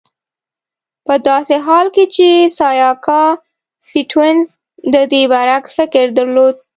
په داسې حال کې چې سیاکا سټیونز د دې برعکس فکر درلود.